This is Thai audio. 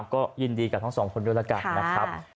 ก็ยินดีกับทั้งสองคนด้วยแล้วกันนะครับ